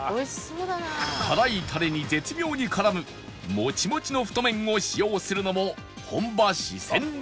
辛いタレに絶妙に絡むモチモチの太麺を使用するのも本場四川流